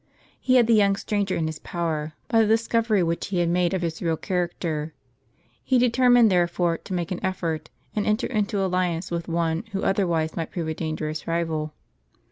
He had the young stranger in his power, by the discovery which he had made of his real character. He determined, therefore, to make an effort, and enter into alliance with one who otherwise might prove a dangerous rival.